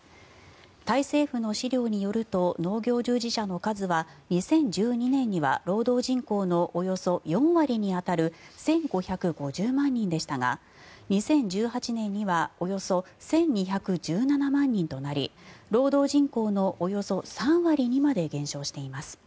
タイ政府の資料によると農業従事者の数は２０１２年には労働人口のおよそ４割に当たる１５５０万人でしたが２０１８年にはおよそ１２１７万人となり労働人口のおよそ３割にまで減少しています。